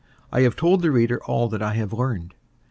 I have told the reader all that I learned.